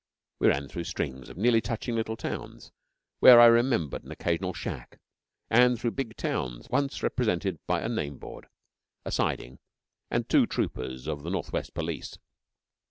We ran through strings of nearly touching little towns, where I remembered an occasional shack; and through big towns once represented by a name board, a siding, and two troopers of the North West Police.